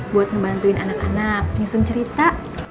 buat ngebantuin anak anak nyusun cerita